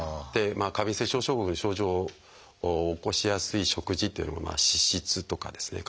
過敏性腸症候群の症状を起こしやすい食事っていうのが脂質とかですね